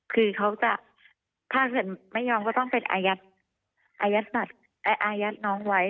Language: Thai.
คือเขาจะถ้าเกิดไม่ยอมก็ต้องเป็นอายัดอายัดน้องไว้